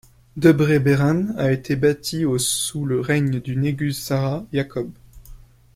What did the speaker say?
Debre Berhan a été bâtie au sous le règne du négus Zara Yaqob.